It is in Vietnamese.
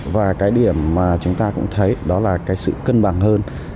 và cái điểm mà chúng ta cũng thấy đó là cái sự cân bằng hơn